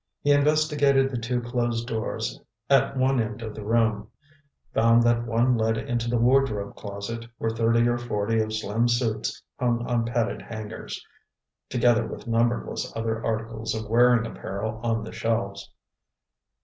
He investigated the two closed doors at one end of the room, found that one led into the wardrobe closet, where thirty or forty of Slim's suits hung on padded hangers, together with numberless other articles of wearing apparel on the shelves.